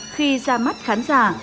khi ra mắt khán giả